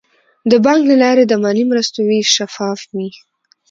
د بانک له لارې د مالي مرستو ویش شفاف وي.